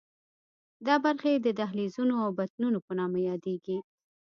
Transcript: دا برخې د دهلیزونو او بطنونو په نامه یادېږي.